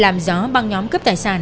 làm gió băng nhóm cướp tài sản